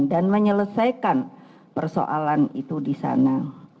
dan menyelesaikan persoalan itu di sana